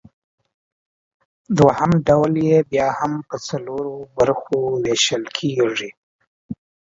دوهم ډول یې بیا هم پۀ څلورو برخو ویشل کیږي